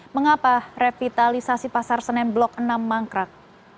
mengapa revitalisasi pasar senen blok enam mangkrak